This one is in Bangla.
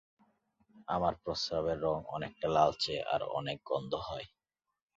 আমার প্রস্রাবের রঙ অনেকটা লালচে আর অনেক গন্ধ হয়।